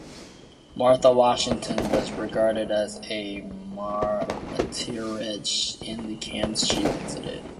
Martha Washington was regarded as a matriarch in the camps she visited.